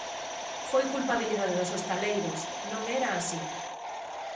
Foi culpabilidade dos hostaleiros, non era así.